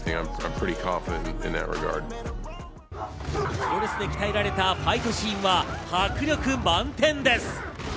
プロレスで鍛えられたファイトシーンは迫力満点です。